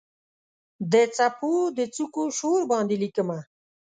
د څپو د څوکو شور باندې لیکمه